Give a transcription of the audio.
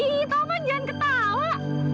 ih tolong jangan ketawa